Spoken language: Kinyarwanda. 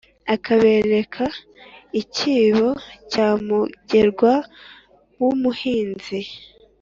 akabereka icyibo cya mugerwa w'umuhinzi,